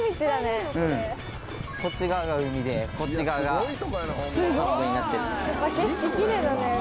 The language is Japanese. こっち側が海でこっち側が田んぼになってる。